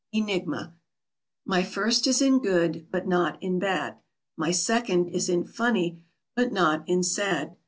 ENIGMA. My first is in good, but not in bad. My second is in funny, but not in sad.